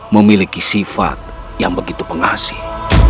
memiliki sifat yang begitu pengasih